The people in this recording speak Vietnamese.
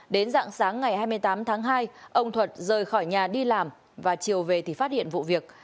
đến dạng sáng ngày hai mươi tám tháng hai ông thuật rời khỏi nhà đi làm và chiều về thì phát hiện vụ việc